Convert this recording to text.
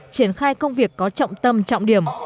triển khai công việc có trọng tâm trọng điểm